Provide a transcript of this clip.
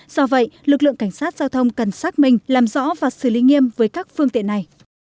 do vậy lực lượng cảnh sát giao thông cần xác minh làm rõ và xử lý nghiêm với các phương tiện này